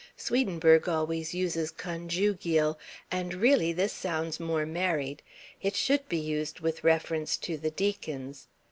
Swedenborg always uses "conjugial." And really this sounds more married. It should be used with reference to the Deacons.